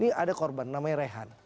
ini ada korban namanya rehan